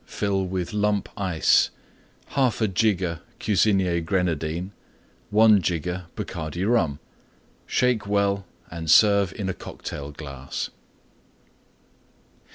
Fill with Lump Ice. 1/2 jigger Cusinier Grenadine. 1 jigger Bacardi Rum. Shake well and serve in a Cocktail glass.